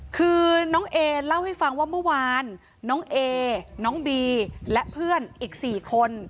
คือน้องเอเล่าให้ฟังว่าเมื่อวานน้องเอน้องบีและเพื่อนอีก๔คน